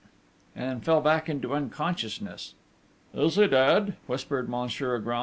and fell back into unconsciousness. 'Is he dead?' whispered Monsieur Agram.